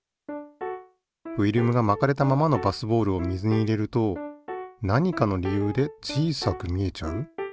フィルムが巻かれたままのバスボールを水に入れると何かの理由で小さく見えちゃう？